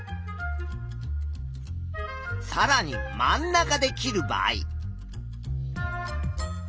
さらに真ん中で切る場合。